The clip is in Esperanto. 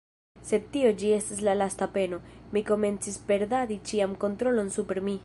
Sed tio ĉi estis la lasta peno; mi komencis perdadi ĉian kontrolon super mi.